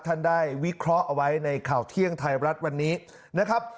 ท่านได้วิเคราะห์เอาไว้ในข่าวเที่ยงไทยรัฐวันนี้นะครับ